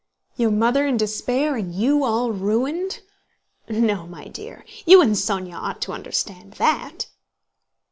Your mother in despair, and you all ruined.... No, my dear, you and Sónya ought to understand that."